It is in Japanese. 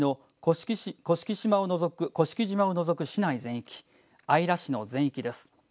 薩摩川内市の甑島を除く市内全域姶良市の全域です。